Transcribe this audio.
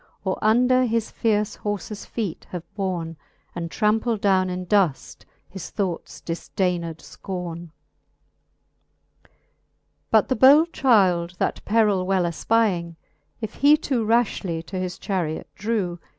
Or under his fierce horfes feet have borne And trampled downe in duft his thoughts difdained fcorne. XXXII. But the bold child that perill well efpying, If he too rafhly to his charret drew.